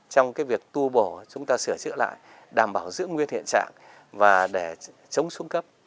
trong cái việc tu bổ chúng ta sửa chữa lại đảm bảo giữ nguyên hiện trạng và để chống xuống cấp